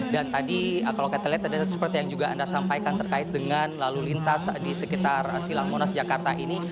dan tadi kalau kita lihat seperti yang anda sampaikan terkait dengan lalu lintas di sekitar silang monas jakarta ini